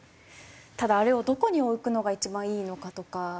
ただあれをどこに置くのが一番いいのかとか。